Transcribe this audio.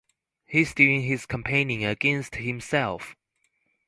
He's doing his campaigning against himself.